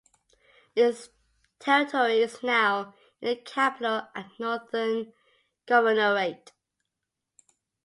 Its territory is now in the Capital and Northern Governorate.